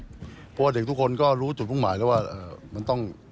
เพราะว่าเด็กทุกคนก็รู้จุดมุ่งหมายแล้วว่ามันต้อง